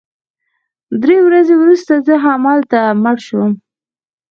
درې ورځې وروسته زه همالته مړ شوم